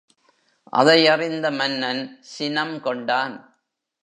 அதை அறிந்த மன்னன், சினம் கொண்டான்.